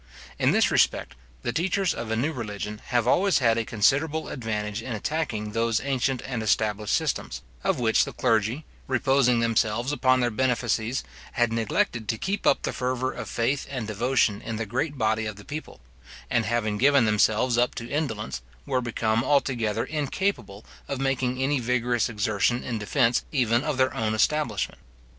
In this respect, the teachers of a new religion have always had a considerable advantage in attacking those ancient and established systems, of which the clergy, reposing themselves upon their benefices, had neglected to keep up the fervour of faith and devotion in the great body of the people; and having given themselves up to indolence, were become altogether incapable of making any vigorous exertion in defence even of their own establishment.